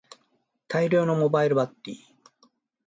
大容量のモバイルバッテリー